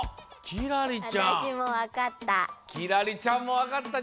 輝星ちゃんもわかった。